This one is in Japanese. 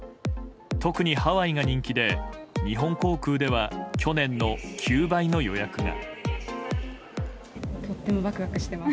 特にハワイが人気で日本航空では去年の９倍の予約が。